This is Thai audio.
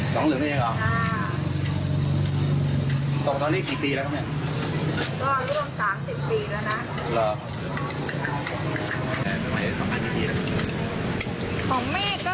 คุณก็รู้สึกจะกี่ขวบ